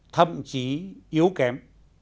thậm chí yếu kém